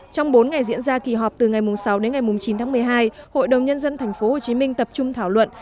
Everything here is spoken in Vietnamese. trong bốn ngày diễn ra kỳ họp từ ngày sáu đến ngày chín tháng một mươi hai hội đồng nhân dân tp hcm tập trung thảo luận